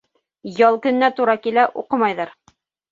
Ял көнөнә тура килә, уҡымайҙар...